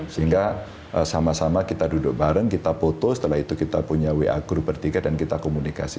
sehingga sama sama kita duduk bareng kita foto setelah itu kita punya wa group bertiga dan kita komunikasi